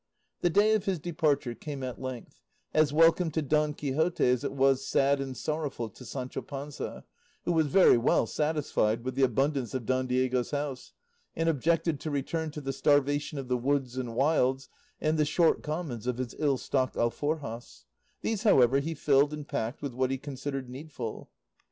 The day of his departure came at length, as welcome to Don Quixote as it was sad and sorrowful to Sancho Panza, who was very well satisfied with the abundance of Don Diego's house, and objected to return to the starvation of the woods and wilds and the short commons of his ill stocked alforjas; these, however, he filled and packed with what he considered needful.